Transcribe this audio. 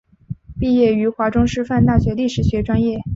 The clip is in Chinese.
毕业于华中师范大学历史学专业。